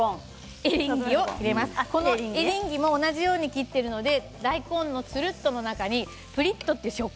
エリンギも同じように切っているので大根のつるっという中にぷりっという食感